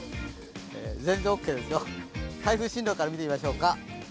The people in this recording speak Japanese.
全然オーケーですよ、台風進路から見てみましょうか。